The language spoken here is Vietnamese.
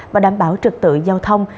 và đảm bảo trực tự giao thông